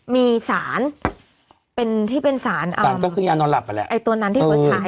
มีสารที่เป็นสารตัวนั้นที่เขาใช้